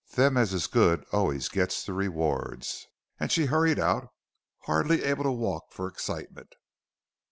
Them is as good allays gits rewards," and she hurried out, hardly able to walk for excitement.